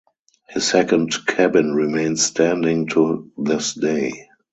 His second cabin remains standing to this day.